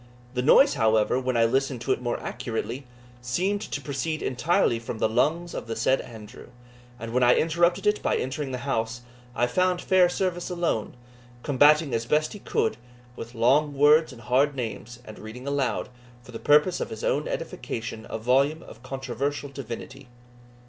The noise, however, when I listened to it more accurately, seemed to proceed entirely from the lungs of the said Andrew; and when I interrupted it by entering the house, I found Fairservice alone, combating as he best could, with long words and hard names, and reading aloud, for the purpose of his own edification, a volume of controversial divinity.